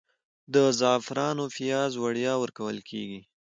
د زعفرانو پیاز وړیا ورکول کیږي؟